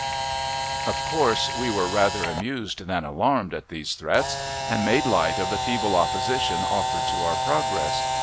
Of course, we were rather amused than alarmed at these threats, and made light of the feeble opposition offered to our progress.